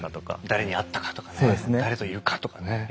「誰に会ったか」とかね「誰といるか」とかね。